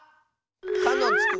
「か」のつく